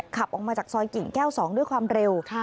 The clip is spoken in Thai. ขับออกมาจากซอยกิ่งแก้ว๒ด้วยความเร็ว